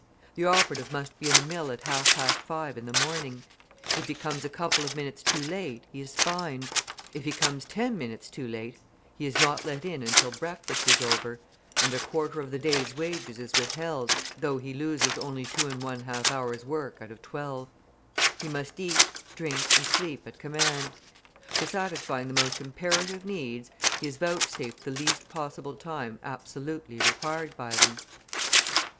The operative must be in the mill at half past five in the morning; if he comes a couple of minutes too late, he is fined; if he comes ten minutes too late, he is not let in until breakfast is over, and a quarter of the day's wages is withheld, though he loses only two and one half hours' work out of twelve. He must eat, drink, and sleep at command. For satisfying the most imperative needs, he is vouchsafed the least possible time absolutely required by them.